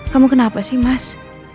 kamu kenapa sih mas